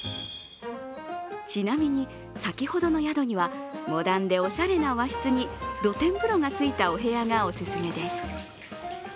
ちなみに、先ほどの宿にはモダンでおしゃれな和室に露天風呂がついたお部屋がお勧めです。